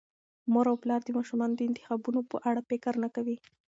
مور او پلار د ماشومانو د انتخابونو په اړه فکر نه کوي.